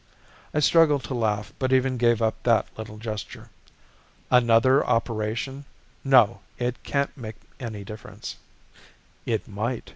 I struggled to laugh but even gave up that little gesture. "Another operation? No, it can't make any difference." "It might.